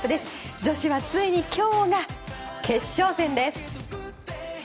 女子はついに今日が決勝戦です。